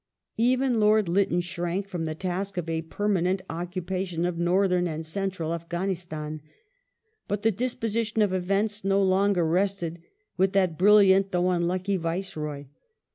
Even Lord Ly tton shrank from the task of a permanent occu Mr. Glad pation of Northern and CentralJAfffhanistan. But the disposition ^^°"®•"""*■ power of events no longer rested with that brilliant, though unlucky, Viceroy.